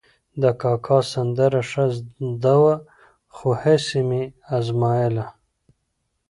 د کاکا سندره ښه زده وه، خو هسې مې ازمایله.